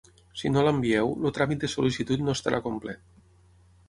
Si no l'envieu, el tràmit de sol·licitud no estarà complet.